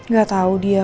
gak tau dia